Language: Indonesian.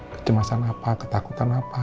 kecemasan apa ketakutan apa